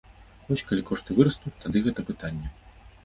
Вось калі кошты вырастуць, тады гэта пытанне.